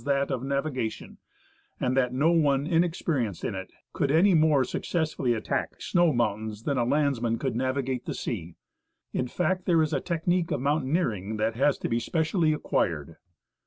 that of navigation, and that no one inexperienced in it could any more successfully attack snow moun tains than a landsman could navigate the sea.^ In fact, there is a technique of mountaineering that has to be specially acquired.